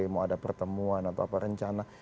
mau ada pertemuan atau apa rencana